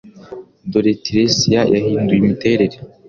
Dore Tiresiya yahinduye imiterere